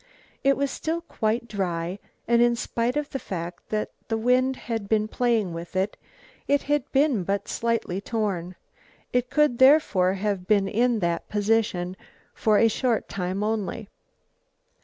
It was still quite dry, and in spite of the fact that the wind had been playing with it, it had been but slightly torn. It could therefore have been in that position for a short time only.